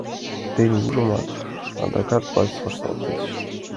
Тений, ужамат, адакат власть вашталтеш.